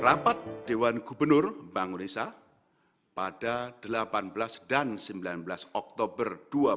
rapat dewan gubernur bank indonesia pada delapan belas dan sembilan belas oktober dua ribu dua puluh